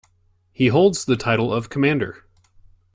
He holds the title of Commander.